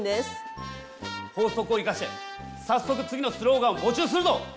法則を生かして早速次のスローガンを募集するぞ！